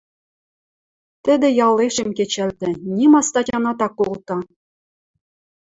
Тӹдӹ ялешем кечӓлты, нима статянат ак колты.